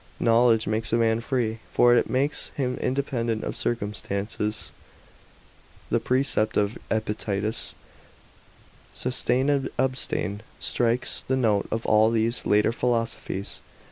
Knowledge makes a man free; for it makes him independent of circumstances. The precept of Epictetus "Sustain and abstain" strikes the note of all these later philosophies.